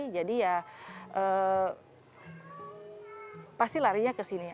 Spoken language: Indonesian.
jadi ya pasti larinya ke sini